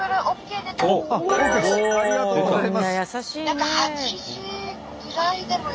ありがとうございます。